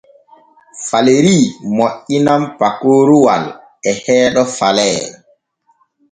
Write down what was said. Faleri moƴƴinan pakoroowal e heeɗo Falee.